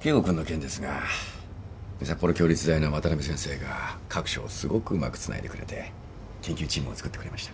圭吾君の件ですが札幌共立大の渡辺先生が各所をすごくうまくつないでくれて研究チームをつくってくれました。